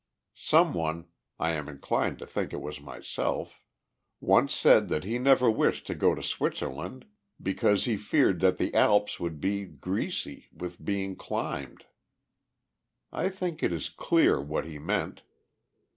Some one I am inclined to think it was myself once said that he never wished to go to Switzerland, because he feared that the Alps would be greasy with being climbed. I think it is clear what he meant.